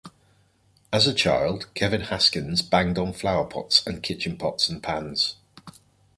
As a child, Kevin Haskins banged on flowerpots and kitchen pots and pans.